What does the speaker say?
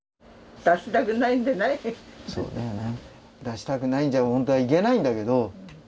そうだよね。